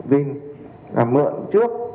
vingroup mượn trước